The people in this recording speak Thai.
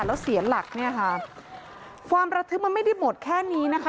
แล้วเสียหลักเนี่ยค่ะความระทึกมันไม่ได้หมดแค่นี้นะคะ